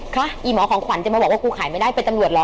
อีหมอของขวัญจะมาบอกว่ากูขายไม่ได้เป็นตำรวจเหรอ